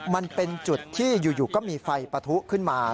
มันเป็นจุดที่อยู่ก็มีไฟปะทุขึ้นมา